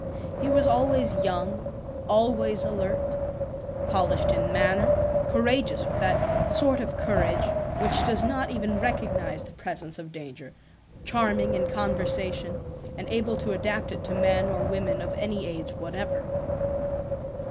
He was always young, always alert, polished in manner, courageous with that sort of courage which does not even recognize the presence of danger, charming in conversation, and able to adapt it to men or women of any age whatever.